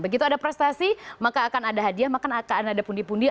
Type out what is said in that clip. begitu ada prestasi maka akan ada hadiah maka akan ada pundi pundi